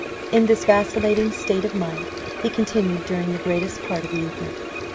In this vacillating state of mind he continued during the greatest part of the evening.